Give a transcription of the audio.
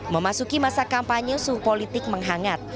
memasuki masa kampanye suhu politik menghangat